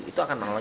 itu akan berhasil